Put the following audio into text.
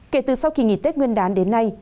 kể từ sau kỳ nghỉ tết nguyên đán đến nay